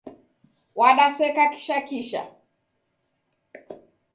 Wadaseka kisha kisha